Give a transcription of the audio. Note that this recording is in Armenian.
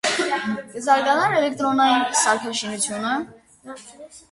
Կը զարգանար էլեկտրոնաին սարքաշինութեունը։